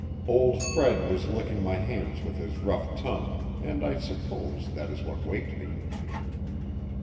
Old Fred was licking my hands with his rough tongue, and I suppose that is what waked me.